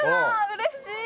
うれしい！